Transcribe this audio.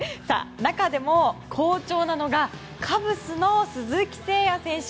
中でも好調なのがカブスの鈴木誠也選手。